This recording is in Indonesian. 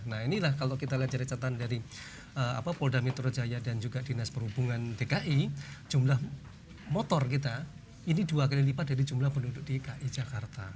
nah inilah kalau kita lihat dari catatan dari polda metro jaya dan juga dinas perhubungan dki jumlah motor kita ini dua kali lipat dari jumlah penduduk dki jakarta